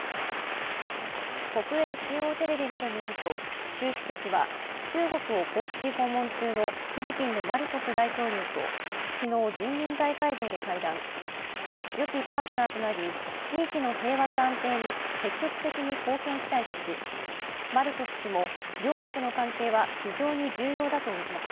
国営中央テレビなどによると、習主席は中国を公式訪問中のフィリピンのマルコス大統領と昨日、人民大会堂で会談。よきパートナーとなり、地域の平和と安定に積極的に貢献したいとしマルコス氏も両国の関係は非常に重要だと応じました。